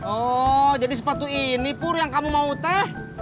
oh jadi sepatu ini pur yang kamu mau teh